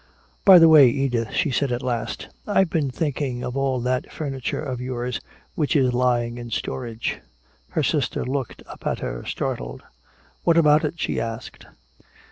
"By the way, Edith," she said, at last, "I've been thinking of all that furniture of yours which is lying in storage." Her sister looked up at her, startled. "What about it?" she asked.